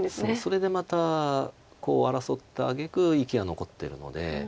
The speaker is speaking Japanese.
それでまたコウを争ったあげく生きが残ってるので。